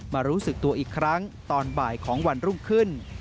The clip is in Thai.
รู้สึกตัวอีกครั้งตอนบ่ายของวันรุ่งขึ้น